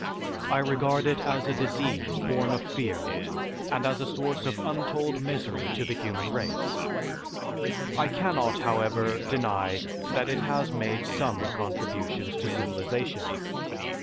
I regard it as a disease born of fear and as a source of untold misery to the human race. I cannot, however, deny that it has made some contributions to civilization.